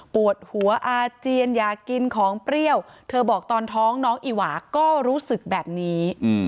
ปวดหัวอาเจียนอยากกินของเปรี้ยวเธอบอกตอนท้องน้องอีหวาก็รู้สึกแบบนี้